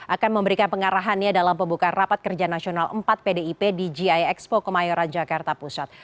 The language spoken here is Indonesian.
akan memberikan pengarahannya dalam pembukaan rapat kerja nasional empat pdip di gie expo kemayoran jakarta pusat